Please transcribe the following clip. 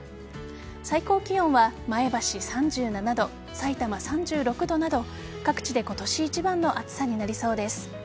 最高気温は前橋３７度さいたま３６度など各地で今年一番の暑さになりそうです。